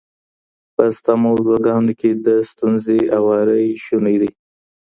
په شته موضوعګانو کي د ستونزو اواری شونی دی.